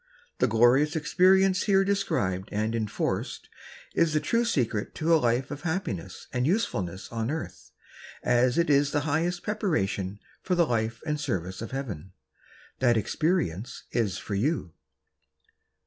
The glorious experience here described and enforced is the true secret of a life of happiness and usefulness on earth as it is the highest pre paration for the life and service of Heaven. That experience is for you.